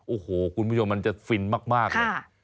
โอ้โหคุณผู้ชมมันจะฟินมากเลย